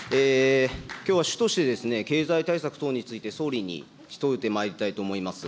きょうは主として経済対策等について、総理に問うてまいりたいと思います。